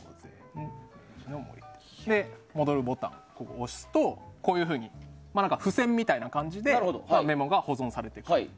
戻るボタンを押すとこういうふうに付箋みたいな感じでメモが保存されます。